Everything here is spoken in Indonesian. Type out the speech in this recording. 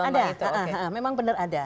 ada memang benar ada